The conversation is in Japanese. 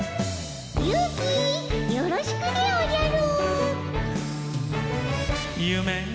ゆうき、よろしくでおじゃる！